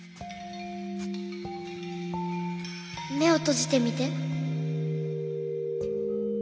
目を閉じてみて。